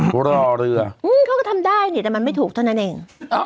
รอเรือเขาก็ทำได้เนี่ยแต่มันไม่ถูกเท่านั้นเอง